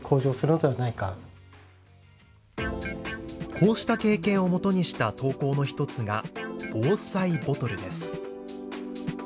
こうした経験をもとにした投稿の１つが防災ボトルです。